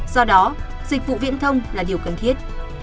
do đó dịch vụ viễn thông là điều cần thiết